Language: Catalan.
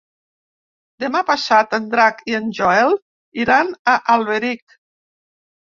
Demà passat en Drac i en Joel iran a Alberic.